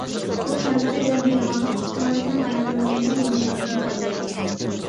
بۇ، كەمتەرلىك ۋە مېھرىبانلىق، ئاق كۆڭۈللۈكنىڭ ھاياتىمىزدا ئىنتايىن مۇھىملىقىنى ئىپادىلەيدۇ.